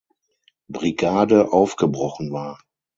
Brigade aufgebrochen war.